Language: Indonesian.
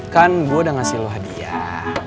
kan gue udah ngasih lo hadiah